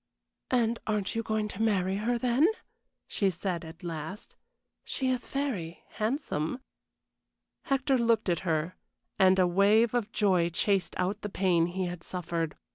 "And aren't you going to marry her, then?" she said, at last. "She is very handsome." Hector looked at her, and a wave of joy chased out the pain he had suffered.